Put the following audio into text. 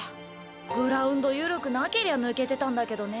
グラウンド緩くなけりゃ抜けてたんだけどね。